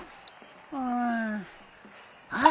うん。あっ！